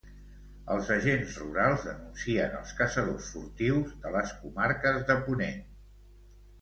Els Agents Rurals denuncien els caçadors furtius de les comarques de Ponent.